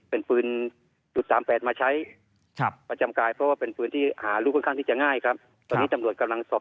เป็นพื้น๓๘มาใช้ประจำกายเพราะว่าเป็นพื้นที่หารูปค่อนข้างที่จะง่ายครับ